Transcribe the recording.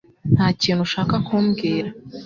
Nta kintu ushaka kumbwira